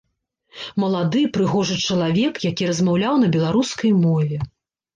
Малады, прыгожы чалавек, які размаўляў на беларускай мове.